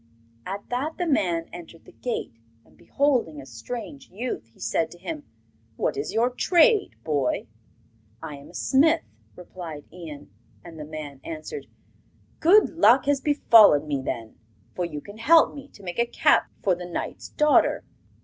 At that the man entered the gate, and beholding a strange youth, he said to him: 'What is your trade, boy?' 'I am a smith,' replied Ian. And the man answered: 'Good luck has befallen me, then, for you can help me to make a cap for the knight's daughter.